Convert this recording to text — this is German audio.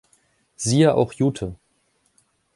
Siehe auch Jute.